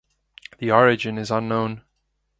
The origin is unknown.